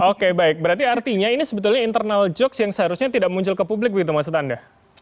oke baik berarti artinya ini sebetulnya internal jokes yang seharusnya tidak muncul ke publik begitu maksud anda